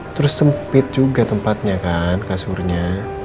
terus sempit juga tempatnya kan kasurnya